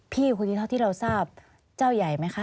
พี่คนนี้เท่าที่เราทราบเจ้าใหญ่ไหมคะ